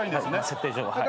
設定上はい。